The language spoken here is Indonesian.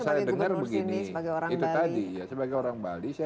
sebagai orang bali itu tadi sebagai orang bali